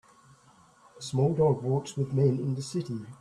A small dog walks with men in the city.